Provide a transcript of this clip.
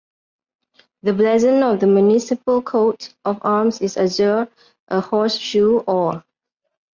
The blazon of the municipal coat of arms is Azure, a Horse-shoe Or.